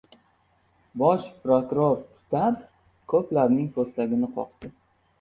Bosh prokuror «tutab», ko‘plarning «po‘stagini qoqdi»!